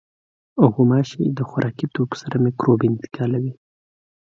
غوماشې د خوراکي توکو سره مکروب انتقالوي.